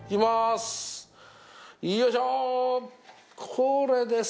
これです。